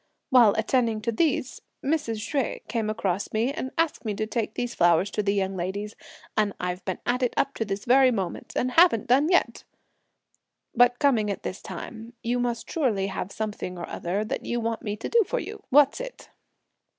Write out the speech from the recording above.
While attending to these, Mrs. Hsueh came across me, and asked me to take these flowers to the young ladies, and I've been at it up to this very moment, and haven't done yet! But coming at this time, you must surely have something or other that you want me to do for you! what's it?"